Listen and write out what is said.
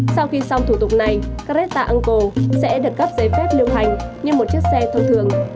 sau khi xong thủ tục này caretta uncle sẽ được cấp giấy phép liêu hành như một chiếc xe thông thường